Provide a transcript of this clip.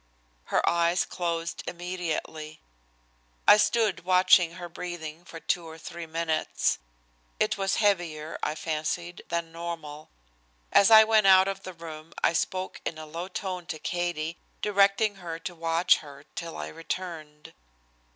Her eyes closed immediately. I stood watching her breathing for two or three minutes. It was heavier, I fancied than normal. As I went out of the room I spoke in a low tone to Katie, directing her to watch her till I returned.